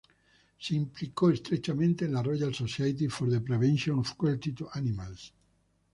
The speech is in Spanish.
Se implicó estrechamente en la Royal Society for the Prevention of Cruelty to Animals.